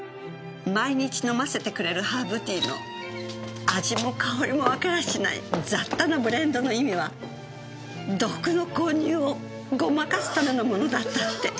毎日飲ませてくれるハーブティーの味も香りもわかりゃしない雑多なブレンドの意味は毒の混入をごまかすためのものだったって。